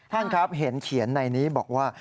ท่านครับเห็นเขียนในนี้บอกว่า